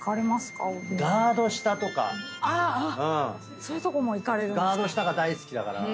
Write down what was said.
そういうとこも行かれるんですか。